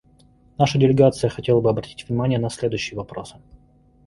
Наша делегация хотела бы обратить внимание на следующие вопросы.